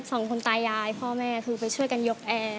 สองคนตายายพ่อแม่คือไปช่วยกันยกแอร์